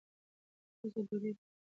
ښځو ډوډۍ پخوله.